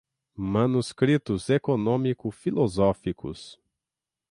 Manuscritos Econômico-Filosóficos